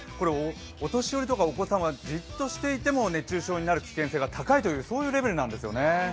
お年寄りとかお子さんは、じっとしていも熱中症になる可能性が高いというレベルなんですね。